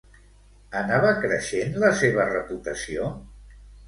Anava creixent la seva reputació?